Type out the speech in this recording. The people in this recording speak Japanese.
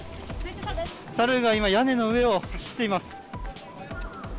猿が今、屋根の上を走っています。